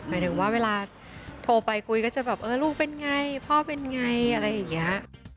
หมายถึงว่าเวลาโทรไปคุยก็จะแบบเออลูกเป็นไงพ่อเป็นไงอะไรอย่างนี้